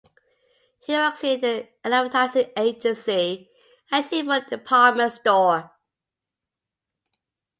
He works in an advertising agency and she for a department store.